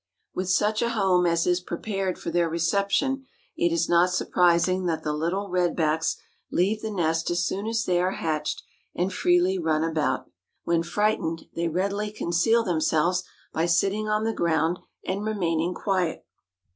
With such a home as is prepared for their reception, it is not surprising that the little red backs leave the nest as soon as they are hatched and freely run about. When frightened they readily conceal themselves by sitting on the ground and remaining quiet.